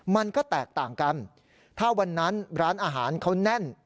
มันก็แตกต่างกันถ้าวันนั้นร้านอาหารเขาแน่น